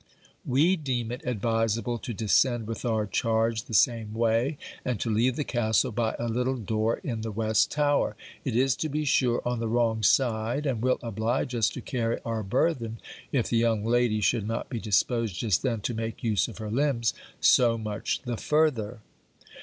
We deem it advisable to descend with our charge the same way, and to leave the castle by a little door in the West Tower. It is, to be sure, on the wrong side, and will oblige us to carry our burthen, if the young lady should not be disposed just then to make use of her limbs, so much the further.